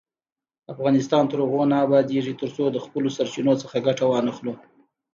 افغانستان تر هغو نه ابادیږي، ترڅو د خپلو سرچینو څخه ګټه وانخلو.